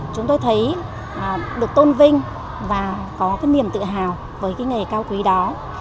chúng tôi thấy được tôn vinh và có cái niềm tự hào với cái nghề cao quý đó